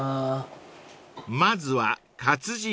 ［まずは活字拾い］